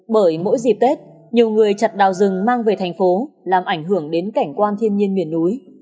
bởi mỗi dịp tết nhiều người chặt đào rừng mang về thành phố làm ảnh hưởng đến cảnh quan thiên nhiên miền núi